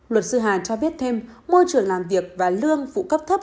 luật sư hà cho biết thêm môi trường làm việc và lương phụ cấp thấp